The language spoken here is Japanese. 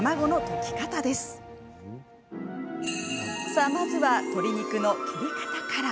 さあ、まずは鶏肉の切り方から。